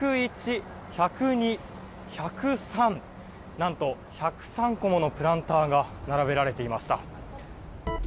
何と、１０３個ものプランターが並べられていました。